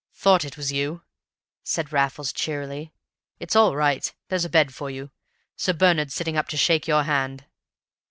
"Thought it was you," said Raffles cheerily. "It's all right. There's a bed for you. Sir Bernard's sitting up to shake your hand."